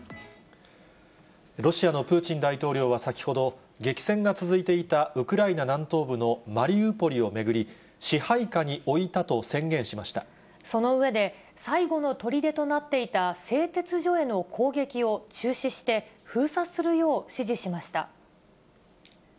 ロシアのプーチン大統領は先ほど、激戦が続いていたウクライナ南東部のマリウポリを巡り、支配下にその上で、最後のとりでとなっていた製鉄所への攻撃を中止して、封鎖するよう指示しました。